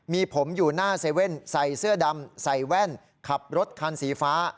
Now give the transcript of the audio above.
มีผมอยู่หน้าเซเว่นใส่เสื้อดำใส่แว่นขับรถคันสีฟ้า